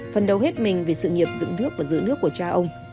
phần đầu hết mình vì sự nghiệp dựng nước và giữ nước của cha ông